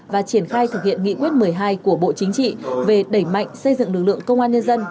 và triển khai thực hiện nghị quyết một mươi hai của bộ chính trị về đẩy mạnh xây dựng lực lượng công an nhân dân